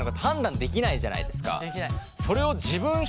できない。